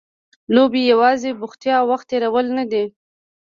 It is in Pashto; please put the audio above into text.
لوبې یوازې بوختیا او وخت تېرول نه دي.